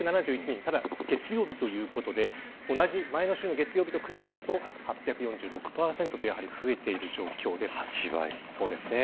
ただ、月曜日ということで同じ前の週の月曜日と比べると８４６％と増えている状況です。